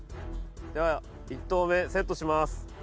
では１投目セットします。